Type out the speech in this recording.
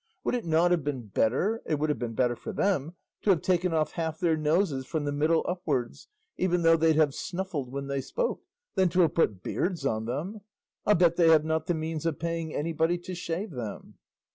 Would it not have been better it would have been better for them to have taken off half their noses from the middle upwards, even though they'd have snuffled when they spoke, than to have put beards on them? I'll bet they have not the means of paying anybody to shave them."